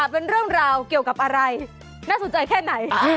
เป็นเรื่องราวเกี่ยวกับอะไรน่าสนใจแค่ไหน